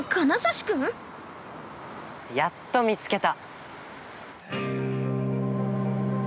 ◆やっと見つけた。